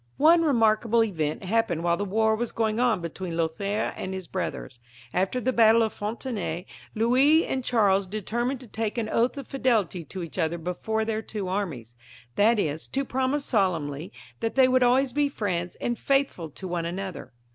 One remarkable event happened while the war was going on between Lothaire and his brothers. After the battle of Fontanet, Louis and Charles determined to take an oath of fidelity to each other before their two \/'/ IX.] DESCENDANTS OF CHARLEMAGNE, 47 annies — that is, to promise solemnly that they would always be friends and faithful to one another.